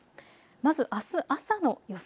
まずあす朝の予想